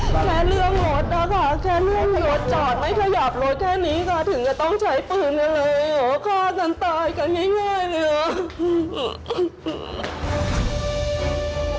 แค่เรื่องรถนะคะแค่เรื่องรถจอดไม่ขยับรถแค่นี้ค่ะถึงจะต้องใช้ปืนกันเลยโหฆ่าฉันตายกันง่ายเลย